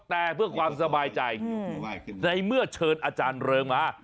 แต่เพื่อความสบายใจในเมื่อเชิญอาจารย์เริงมา